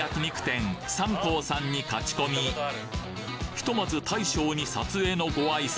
ひとまず大将に撮影のご挨拶